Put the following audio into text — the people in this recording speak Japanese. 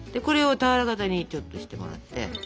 これを俵形にちょっとしてもらって。